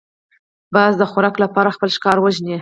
باز د خوراک لپاره خپل ښکار وژني